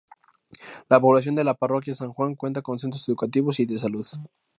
La población de la parroquia San Juan cuenta con centros educativos y de salud.